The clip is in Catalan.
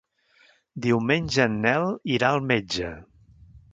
Diumenge en Nel irà al metge.